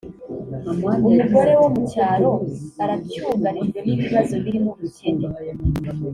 umugore wo mu cyaro aracyugarijwe n’ibibazo birimo ubukene